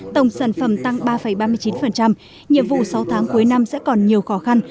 tổng sản phẩm tăng ba ba mươi chín nhiệm vụ sáu tháng cuối năm sẽ còn nhiều khó khăn